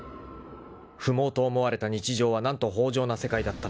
［不毛と思われた日常は何と豊穣な世界だったのか］